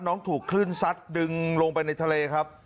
น้องถูกคลื่นซัดดึงลงไปในทะเลครับ